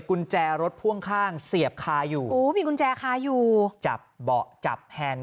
กุญแจรถพ่วงข้างเสียบคาอยู่โอ้มีกุญแจคาอยู่จับเบาะจับแฮนด